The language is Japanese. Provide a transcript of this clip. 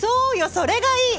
それがいい！